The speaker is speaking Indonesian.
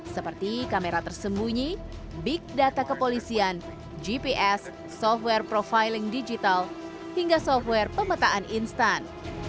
seperti kamera tersembunyi big data kepolisian gps software profiling digital hingga software pemetaan instan